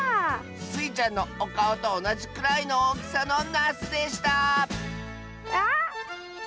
スイちゃんのおかおとおなじくらいのおおきさのなすでしたあまってましたトマト！